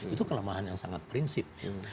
itu kelemahan yang sangat prinsip